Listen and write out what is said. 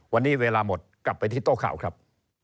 วันนี้เวลาหมดกลับไปที่โต๊ะข่าวครับ